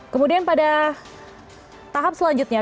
kemudian pada tahap selanjutnya